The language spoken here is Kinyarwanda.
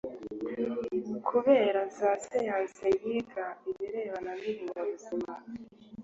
Kubera za siyansi yiga ibirebana n ibinyabuzima.